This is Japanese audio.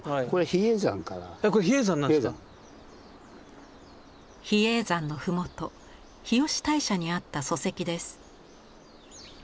比叡山のふもと日吉大社にあった礎石です。